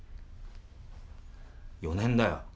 ４年だよ。